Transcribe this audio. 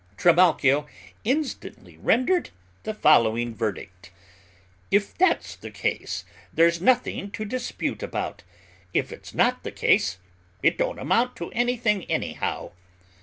Trimalchio instantly rendered the following verdict, "If that's the case, there's nothing to dispute about; if it's not the case, it don't amount to anything anyhow."